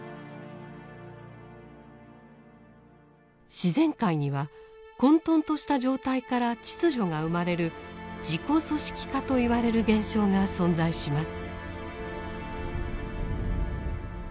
自然界には混沌とした状態から秩序が生まれる自己組織化と言われる現象が存在します。